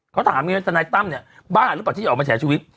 เขาถามไงว่าทนายตั้มเนี่ยบ้าหรือเปล่าที่จะออกมาแฉชีวิต